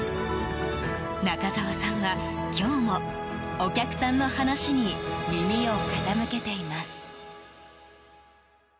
中沢さんは今日もお客さんの話に耳を傾けています。